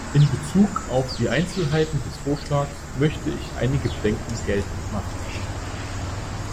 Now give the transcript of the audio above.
In Bezug auf die Einzelheiten des Vorschlags möchte ich einige Bedenken geltend machen.